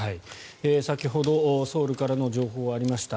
先ほどソウルからの情報がありました。